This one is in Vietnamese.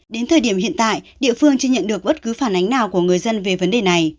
đến thời điểm hiện tại địa phương chưa nhận được bất cứ phản ánh nào của người dân về vấn đề này